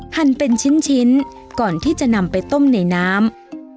หั่นเป็นชิ้นก่อนที่จะนำไปต้มในน้ำ